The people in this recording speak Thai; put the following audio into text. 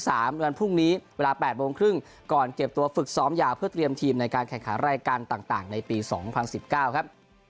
วันพรุ่งนี้เวลา๘โมงครึ่งก่อนเก็บตัวฝึกซ้อมยาวเพื่อเตรียมทีมในการแข่งขันรายการต่างในปี๒๐๑๙ครับ